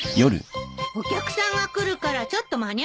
お客さんが来るからちょっと間に合わせたのよ。